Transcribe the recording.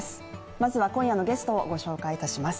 まずは今夜のゲストをご紹介いたします。